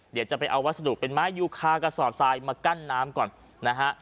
เดี๋ยวจะไปเอาวัสดุเป็นไม้ยูคากระสอบทรายมากั้นน้ำก่อนนะฮะ